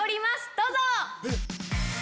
どうぞ！